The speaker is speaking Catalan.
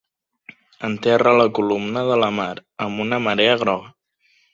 Enterra la columna de la Mar amb una marea groga.